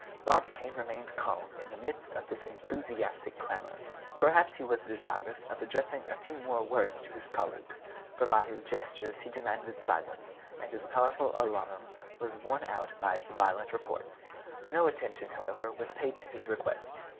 Barbicane remained calm in the midst of this enthusiastic clamor; perhaps he was desirous of addressing a few more words to his colleagues, for by his gestures he demanded silence, and his powerful alarum was worn out by its violent reports. No attention, however, was paid to his request.